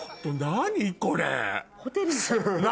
何これ！